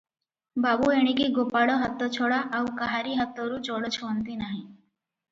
ବାବୁ ଏଣିକି ଗୋପାଳ ହାତ ଛଡ଼ା ଆଉ କାହାରି ହାତରୁ ଜଳ ଛୁଅଁନ୍ତି ନାହିଁ ।